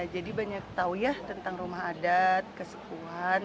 jadi banyak tahu ya tentang rumah adat kesekuan